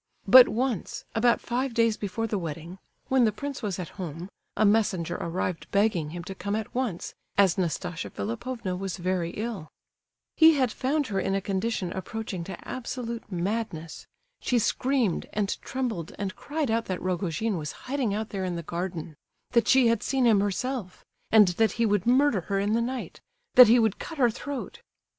But once, about five days before the wedding, when the prince was at home, a messenger arrived begging him to come at once, as Nastasia Philipovna was very ill. He had found her in a condition approaching to absolute madness. She screamed, and trembled, and cried out that Rogojin was hiding out there in the garden—that she had seen him herself—and that he would murder her in the night—that he would cut her throat.